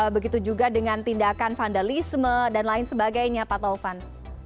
begitu juga dengan tindakan vandalisme dan lain sebagainya pak taufan